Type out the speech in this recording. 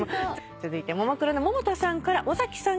続いてももクロの百田さんから尾崎さんへの質問です。